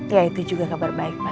ya itu juga kabar baik pak